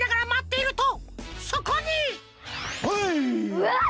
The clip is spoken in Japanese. うわっ！